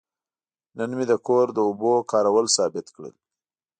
نن مې د کور د اوبو کارول ثابت کړل.